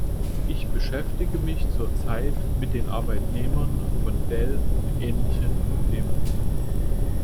Ich beschäftige mich zurzeit mit den Arbeitnehmern von Dell und ähnlichen Problemen.